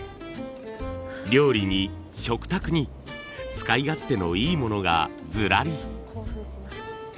料理に食卓に使い勝手のいいものがずらり。